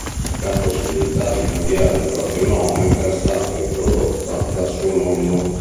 La possibilità di cambiare il proprio nome era stata introdotta da suo nonno.